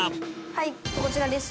はいこちらです。